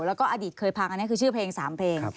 แล้วก็อดีตเคยพังอันนี้คือชื่อเพลง๓เพลง